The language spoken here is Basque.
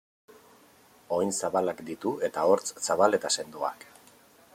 Oin zabalak ditu eta hortz zabal eta sendoak.